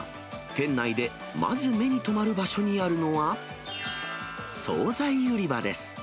店内でまず目に留まる場所にあるのは、総菜売り場です。